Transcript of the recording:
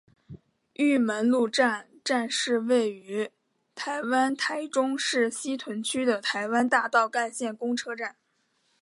玉门路站站是位于台湾台中市西屯区的台湾大道干线公车站。